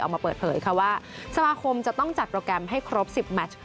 ออกมาเปิดเผยค่ะว่าสมาคมจะต้องจัดโปรแกรมให้ครบ๑๐แมช